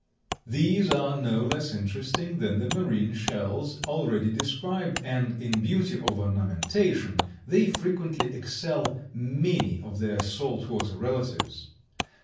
These are no less interesting than the marine shells already described and in beauty of ornamentation they frequently excel many of their salt water relatives.